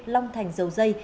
long thành dầu dây